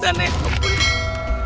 tante ranti bangun